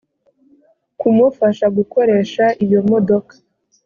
kumufasha gukoresha iyo modoka